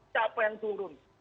siapa yang turun